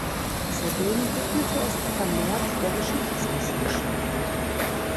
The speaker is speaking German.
Zudem widmete er sich vermehrt der Geschichtswissenschaft.